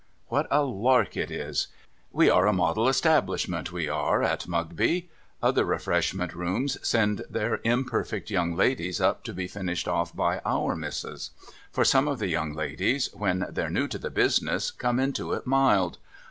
What a lark it is ! We are the Model Establishment, we are, at 2 G 450 MUGBY JUNCTION Mugby. Other Rcficshaicnt Rooms send their imperfect young ladies up to be finished off" by Our Missis. For some of the young ladies, \vhen they're new to the business, come into it mild